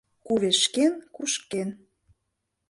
Кувешкен — кушкен.